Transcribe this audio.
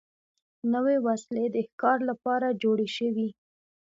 نوې وسلې د ښکار لپاره جوړې شوې.